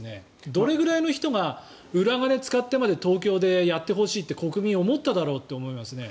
どれくらいの人が裏金使ってまで東京でやってほしいって国民、思っただろうと思いますね。